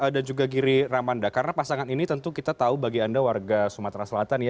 dan juga giri ramanda karena pasangan ini tentu kita tahu bagi anda warga sumatera selatan ya